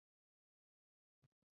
青叶台是东京都目黑区的地名。